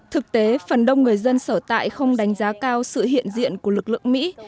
thực tế phần đông người dân sở tại không đánh giá cao sự hiện diện của lực lượng mỹ